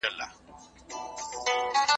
مکتب د ښوونکي له خوا خلاصیږي!